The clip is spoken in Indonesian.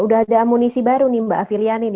udah ada amunisi baru nih mbak filiani nih